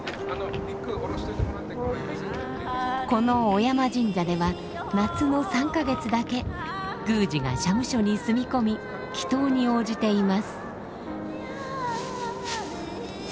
この雄山神社では夏の３か月だけ宮司が社務所に住み込み祈とうに応じています。